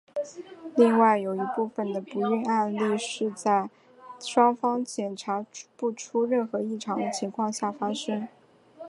另外有一部分的不孕案例是在双方检查不出任何异常的状况下发生。